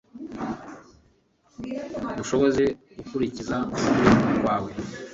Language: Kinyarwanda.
unshoboze gukurikiza ukuri kwawe